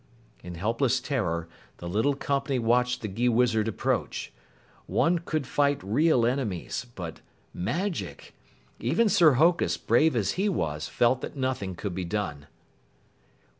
In helpless terror, the little company watched the Gheewizard approach. One could fight real enemies, but magic! Even Sir Hokus, brave as he was, felt that nothing could be done.